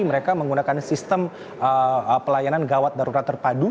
mereka menggunakan sistem pelayanan gawat darurat terpadu